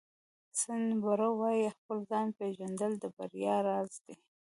سن ټزو وایي خپل ځان پېژندل د بریا راز دی.